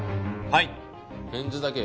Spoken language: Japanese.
はい。